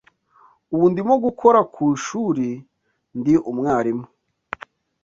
Ubu ndimo gukora ku ishuri ndi umwarimu